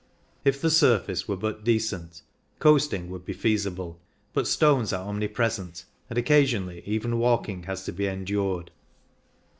If the surface were but decent, coasting would be feasible, but stones are omnipresent, and occasionally even walking has to be en dured.